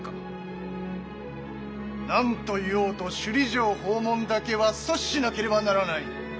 何と言おうと首里城訪問だけは阻止しなければならない！